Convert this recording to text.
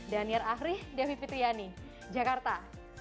danir ahri devi fitriani jakarta